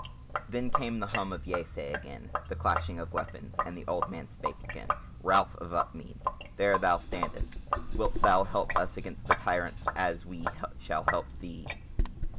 Then came the hum of yeasay again, the clashing of weapons, and the old man spake again: "Ralph of Upmeads, there thou standest, wilt thou help us against the tyrants, as we shall help thee?"